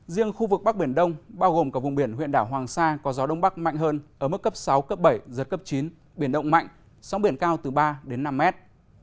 riêng khu vực bắc biển đông bao gồm cả vùng biển huyện đảo hoàng sa có gió đông bắc mạnh hơn ở mức cấp sáu cấp bảy giật cấp chín biển động mạnh sóng biển cao từ ba đến năm mét